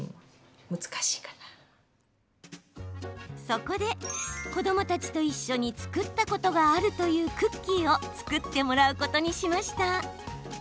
そこで、子どもたちと一緒に作ったことがあるというクッキーを作ってもらうことにしました。